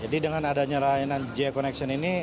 jadi dengan adanya layanan ja connection ini